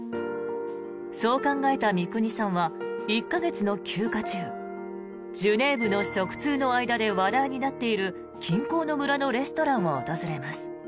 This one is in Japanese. そう考えた三國さんは１か月の休暇中ジュネーブの食通の間で話題になっている近郊の村のレストランを訪れます。